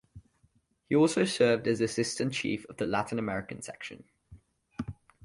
He also served as Assistant Chief of the Latin American Section.